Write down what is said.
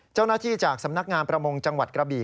เจ้าหน้าที่จากสำนักงานประมงจังหวัดกระบี่